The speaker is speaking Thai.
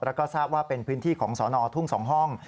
แล้วก็ทราบว่าเป็นพื้นที่ของสนทุ่ง๒ห้อง